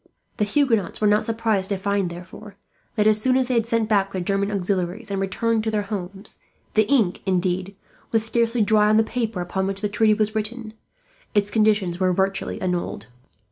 The Huguenots were not surprised to find, therefore, that as soon as they had sent back their German auxiliaries and returned to their homes the ink, indeed, was scarcely dry on the paper upon which the treaty was written its conditions were virtually annulled.